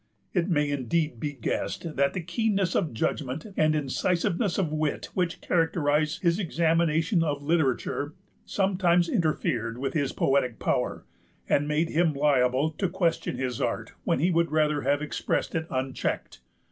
It may indeed be guessed that the keenness of judgment and incisiveness of wit which characterize his examination of literature sometimes interfered with his poetic power, and made him liable to question his art when he would rather have expressed it unchecked.